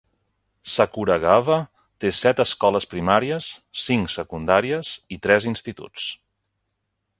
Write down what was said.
Sakuragawa té set escoles primàries, cinc secundàries i tres instituts.